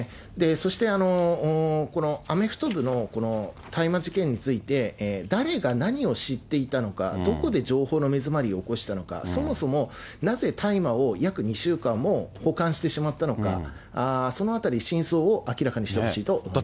そして、このアメフト部の大麻事件について、誰が何を知っていたのか、どこで情報の目詰まりを起こしたのか、そもそもなぜ大麻を約２週間も保管してしまったのか、そのあたり、真相を明らかにしてほしいと思います。